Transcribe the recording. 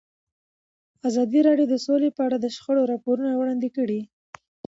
ازادي راډیو د سوله په اړه د شخړو راپورونه وړاندې کړي.